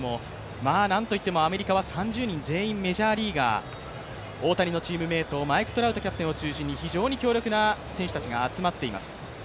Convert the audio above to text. なんといっても、アメリカは３０人、全員メジャーリーガー、大谷のチームメイト、マイク・トラウトキャプテンを中心に非常に強力な選手たちが集まっています。